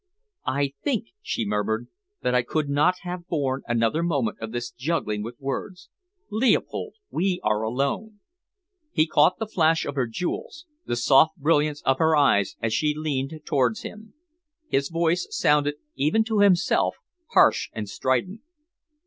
"I think," she murmured, "that I could not have borne another moment of this juggling with words. Leopold we are alone!" He caught the flash of her jewels, the soft brilliance of her eyes as she leaned towards him. His voice sounded, even to himself, harsh and strident.